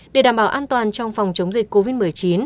để đảm bảo an toàn trong phòng chống dịch covid một mươi chín